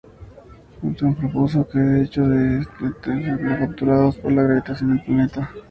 Moulton propuso que de hecho eran planetesimales capturados por la gravitación del planeta.